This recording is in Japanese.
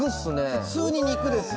普通に肉です。